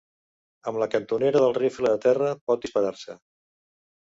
Amb la cantonera del rifle a terra pot disparar-se.